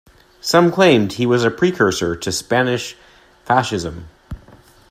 Some claimed he was a precursor to Spanish fascism.